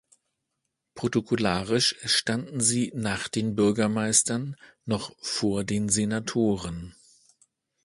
Protokollarisch standen sie nach den Bürgermeistern, noch vor den Senatoren.